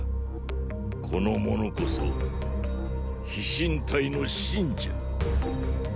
この者こそ飛信隊の信じゃ。